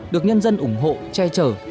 được nhân dân ủng hộ che chở